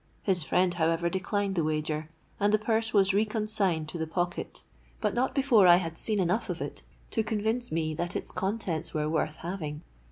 His friend, however, declined the wager; and the purse was re consigned to the pocket, but not before I had seen enough of it to convince me that its contents were worth having.